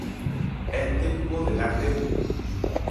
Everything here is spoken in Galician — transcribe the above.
E tempo de dar tempo.